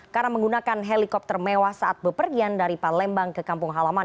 karena menggunakan helikopter mewah saat bepergian dari palembang ke kampung halaman